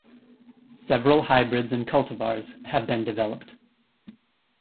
Several hybrids and cultivars have been developed.